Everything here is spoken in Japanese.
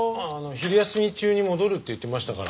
昼休み中に戻るって言ってましたから。